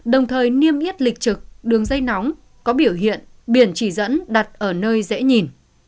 đồng thời niêm yết lịch trực đường dây nóng có biểu hiện biển chỉ dẫn đặt ở nơi dễ nhìn